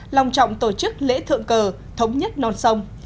lòng trọng tổ chức lễ thượng cờ thống nhất non sông